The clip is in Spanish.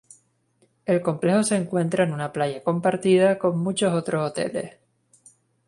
El complejo se encuentra en una Playa compartida con muchos otros hoteles.